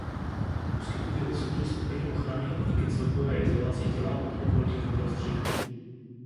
Poskytuje vysoký stupeň ochrany díky celkové izolaci těla od okolního prostředí.